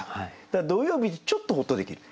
だから土曜日ちょっとほっとできる。